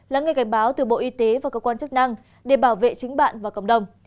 lắng nghe cảnh báo từ bộ y tế và cơ quan chức năng để bảo vệ chính bạn và cộng đồng